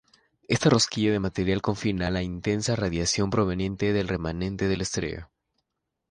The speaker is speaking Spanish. Esta rosquilla de material confina la intensa radiación proveniente del remanente de la estrella.